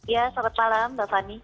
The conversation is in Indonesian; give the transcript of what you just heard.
ya selamat malam mbak fani